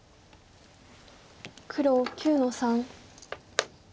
黒９の三。